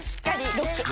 ロック！